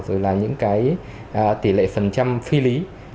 rồi là những cái tỷ lệ phần trăm phi lý